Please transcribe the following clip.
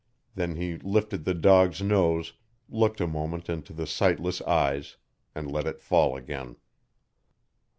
Then he lifted the dog's nose, looked a moment into the sightless eyes and let it fall again.